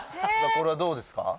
これはどうですか？